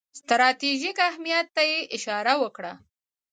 ستراتیژیک اهمیت ته یې اشاره وکړه.